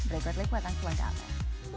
berikutnya kuatang kekuatan